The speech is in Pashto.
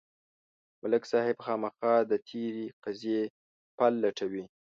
ملک صاحب خامخا د تېرې قضیې پل لټوي.